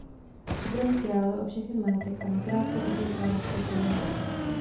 Připraví krále o všechen majetek a nakrátko také královské koruny.